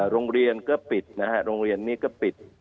โรงเรียนก็ปิดนะฮะโรงเรียนนี้ก็ปิด